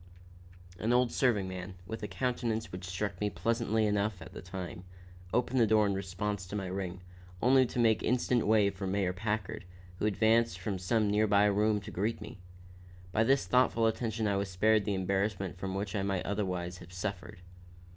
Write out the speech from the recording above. An old serving man, with a countenance which struck me pleasantly enough at the time, opened the door in response to my ring, only to make instant way for Mayor Packard, who advanced from some near by room to greet me. By this thoughtful attention I was spared the embarrassment from which I might otherwise have suffered.